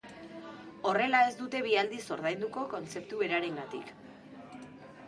Horrela ez dute bi aldiz ordainduko kontzeptu berarengatik